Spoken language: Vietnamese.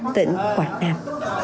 tỉnh quảng nam